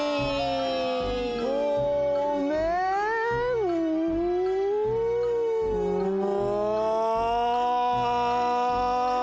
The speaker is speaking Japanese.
ごめん。も。